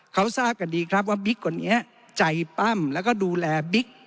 เขาทราบกันดีครับว่าบิ๊กคนนี้ใจปั้มแล้วก็ดูแลบิ๊ก